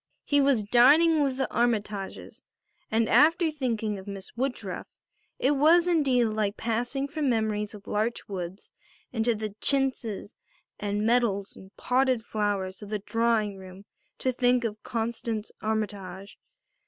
He was dining with the Armytages and after thinking of Miss Woodruff it was indeed like passing from memories of larch woods into the chintzes and metals and potted flowers of the drawing room to think of Constance Armytage.